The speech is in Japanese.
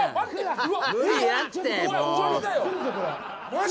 マジ